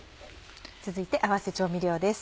続いて合わせ調味料です。